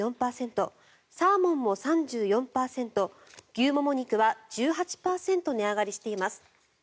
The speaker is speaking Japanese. サーモンも３４％牛もも肉は１８％値上がりしています。